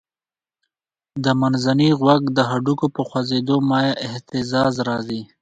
د منځني غوږ د هډوکو په خوځېدو مایع اهتزاز راځي.